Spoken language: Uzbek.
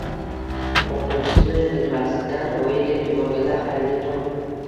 Oʻqituvchisini bilmasdan Oyi deb yuborganlar, xayrli tong!